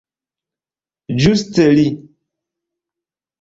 Ĝuste li!